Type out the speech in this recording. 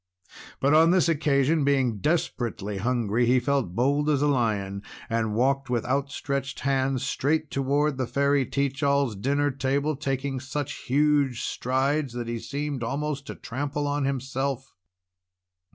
But on this occasion, being desperately hungry, he felt bold as a lion, and walked with outstretched hands straight toward the Fairy Teach All's dinner table, taking such huge strides that he seemed almost to trample on himself.